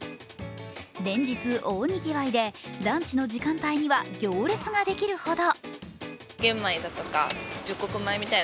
連日大にぎわいで、ランチの時間帯には行列ができるほど。